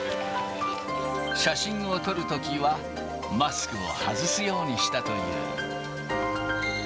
写真を撮るときは、マスクを外すようにしたという。